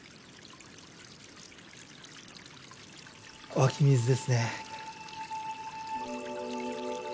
湧き水ですね。